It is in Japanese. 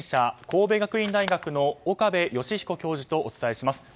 神戸学院大学の岡部芳彦教授とお伝えします。